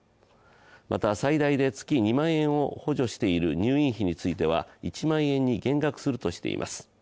また、最大で月２万円を補助している入院費については１万円に減額するとしています。